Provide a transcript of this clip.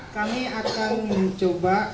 kami akan mencoba